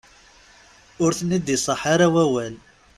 Ur ten-id-iṣaḥ ara wawal.